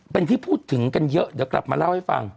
เป็นที่พูดถึงกันเยอะเดี๋ยวกลับมาเล่าให้ฟัง